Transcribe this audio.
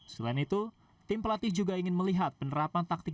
selain itu tim pelatih juga ingin melihat penerapan taktik